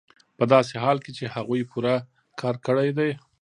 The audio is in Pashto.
په داسې حال کې چې هغوی پوره کار کړی دی